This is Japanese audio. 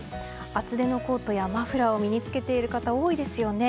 厚手のコートやマフラーを身に着けている方、多いですよね。